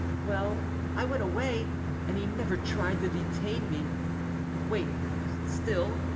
Well, I went away, and he never tried to detain me. Wait still.